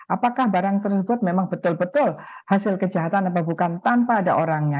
apakah barang tersebut memang betul betul hasil kejahatan atau bukan tanpa ada orangnya